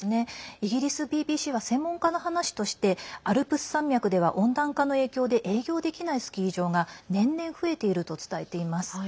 イギリスＢＢＣは専門家の話としてアルプス山脈では温暖化の影響で営業できないスキー場が年々、増えていると伝えています。